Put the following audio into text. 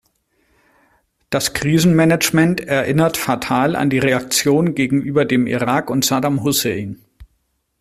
Das Krisenmanagement erinnert fatal an die Reaktion gegenüber dem Irak und Saddam Hussein.